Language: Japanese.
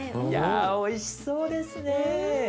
いやおいしそうですね。